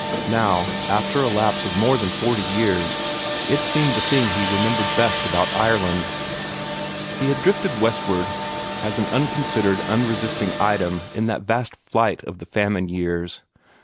Now, after a lapse of more than forty years, it seemed the thing that he remembered best about Ireland. He had drifted westward as an unconsidered, unresisting item in that vast flight of the famine years.